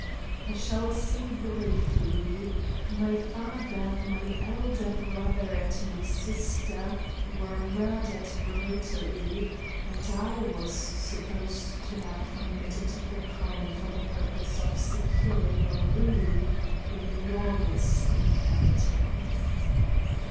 I shall say briefly: My father, my elder brother, and my sister were murdered brutally, and I was supposed to have committed the crime for the purpose of securing a really enormous inheritance.